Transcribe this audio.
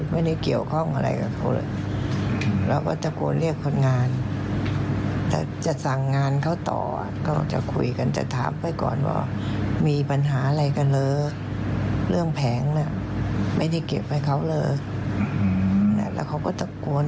ไม่ได้เก็บไว้เค้าเลยแล้วเค้าก็ตกกวน